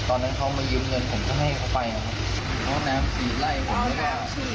ตอนนั้นเขามายืมเงินผมก็ให้เขาไปนะครับเขาน้ำฉีดไล่ผมแล้ว